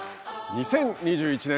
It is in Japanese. ２０２１年